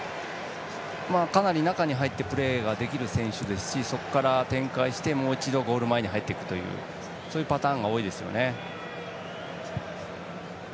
かなり中に入ってプレーができる選手ですしそこから、展開してもう一度ゴール前に入っていくそういうパターンが多いですよね。